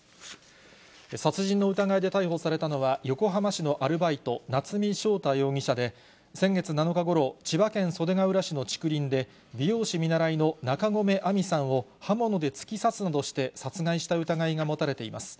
殺人の疑いで逮捕されたのは、横浜市のアルバイト、夏見翔太容疑者で、先月７日ごろ、千葉県袖ケ浦市の竹林で、美容師見習いの中込愛美さんを刃物で突き刺すなどして殺害した疑いが持たれています。